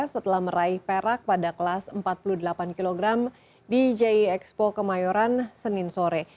setelah meraih perak pada kelas empat puluh delapan kg di jie expo kemayoran senin sore